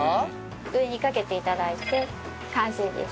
上にかけて頂いて完成です。